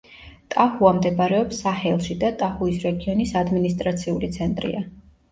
ტაჰუა მდებარეობს საჰელში და ტაჰუის რეგიონის ადმინისტრაციული ცენტრია.